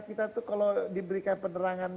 kita tuh kalau diberikan penerangan